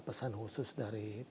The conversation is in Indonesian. pesan khusus dari